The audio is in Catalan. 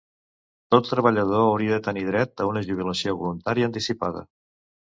Tot treballador hauria de tenir dret a una jubilació voluntària anticipada.